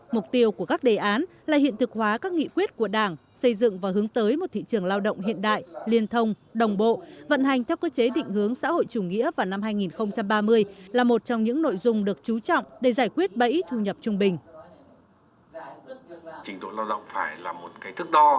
mục tiêu của các đề án là hiện thực hóa các nghị quyết của đảng xây dựng và hướng tới một thị trường lao động hiện đại liên thông đồng bộ vận hành theo cơ chế định hướng xã hội chủ nghĩa vào năm hai nghìn ba mươi là một trong những nội dung được trú trọng để giải quyết bẫy thu nhập trung bình